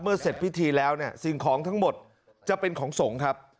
เสร็จพิธีแล้วเนี่ยสิ่งของทั้งหมดจะเป็นของสงฆ์ครับ